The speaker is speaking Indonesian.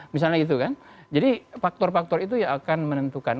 misalnya gitu kan jadi faktor faktor itu yang akan menentukan